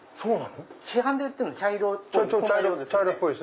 市販で売ってるの茶色っぽい。